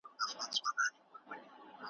ستا سورکۍ نازکي پاڼي ستا په پښو کي تویومه `